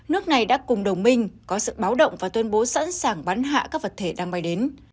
nước này đã cùng đồng minh có sự báo động và tuyên bố sẵn sàng bắn hạ các vật thể đang bay đến